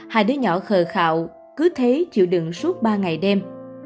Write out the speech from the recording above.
hai đứa nhỏ khờ khạo cứ thế chịu đựng suốt ba ngày đêm